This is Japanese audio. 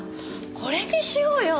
これにしようよ。